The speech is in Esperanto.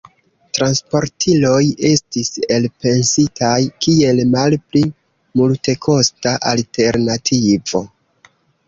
Transportiloj estis elpensitaj kiel malpli multekosta alternativo.